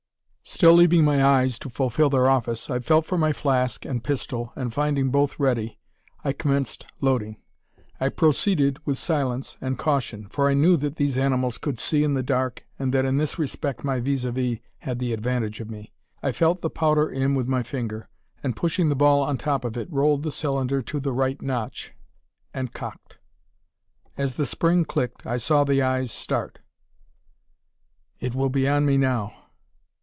Still leaving my eyes to fulfil their office, I felt for my flask and pistol, and finding both ready, I commenced loading. I proceeded with silence and caution, for I knew that these animals could see in the dark, and that in this respect my vis a vis had the advantage of me. I felt the powder in with my finger, and pushing the ball on top of it, rolled the cylinder to the right notch, and cocked. As the spring "clicked," I saw the eyes start. "It will be on me now!"